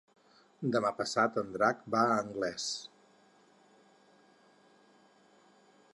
Demà passat en Drac va a Anglès.